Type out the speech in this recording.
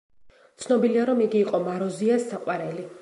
ცნობილია რომ იგი იყო მაროზიას საყვარელი.